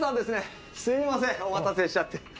すみませんお待たせしちゃって。